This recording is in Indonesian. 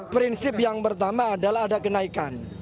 prinsip yang pertama adalah ada kenaikan